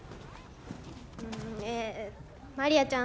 ええマリアちゃん。